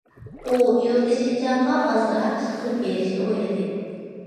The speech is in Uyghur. ئۇ يۇرتى شىنجاڭغا ئازراق ئىش قىلىپ بېرىشنى ئويلىدى.